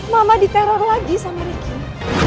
mama diteror lagi sama ricky